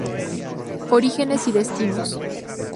Orígenes y destinos.